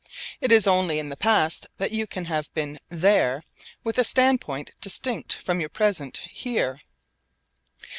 It is only in the past that you can have been 'there' with a standpoint distinct from your present 'here.'